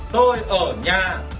tôi ở nhà